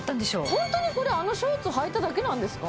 ホントにこれあのショーツはいただけなんですか？